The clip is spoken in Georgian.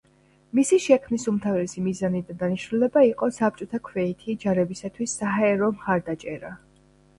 მისი შექმნის უმთავრესი მიზანი და დანიშნულება იყო საბჭოთა ქვეითი ჯარებისათვის საჰაერო მხარდაჭერა.